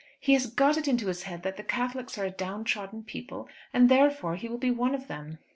He has got it into his head that the Catholics are a downtrodden people, and therefore he will be one of them."